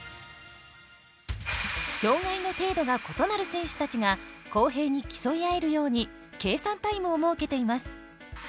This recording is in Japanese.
障がいの程度が異なる選手たちが公平に競い合えるように計算タイムを設けています。